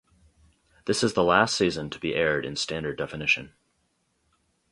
This is the last season to be aired in standard definition.